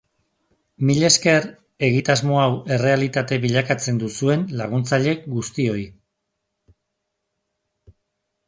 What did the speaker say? Milesker egitasmo hau errealitate bilakatzen duzuen laguntzaile guztioi.